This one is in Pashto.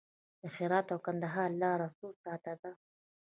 د هرات او کندهار لاره څو ساعته ده؟